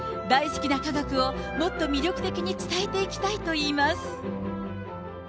大好きな科学を、もっと魅力的に伝えていきたいといいます。